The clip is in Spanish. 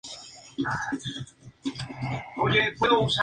Y que la manera en que la horca destaca sobre prados amenos.